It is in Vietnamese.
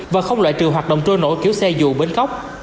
và không loại trừ hoạt động trôi nổ kiểu xe dù bến cốc